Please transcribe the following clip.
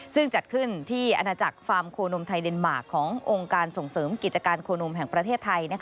ซึ่งจัดขึ้นที่อาณาจักรฟาร์มโคนมไทยเดนมาร์คขององค์การส่งเสริมกิจการโคนมแห่งประเทศไทย